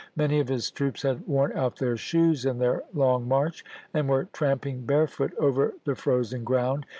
Many of his troops had worn out their shoes in their long march, and were tramping barefoot over the frozen gi'ound.